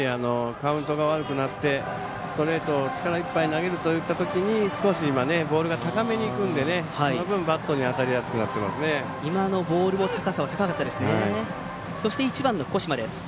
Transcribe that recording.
カウントが悪くなってストレートを力いっぱい投げるというときにボールが高めにいくので、その分バットに当たりやすくなってますね。